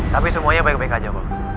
tapi semuanya baik baik aja kok